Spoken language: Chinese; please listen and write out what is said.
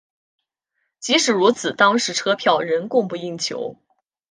即使如此当时车票仍供不应求。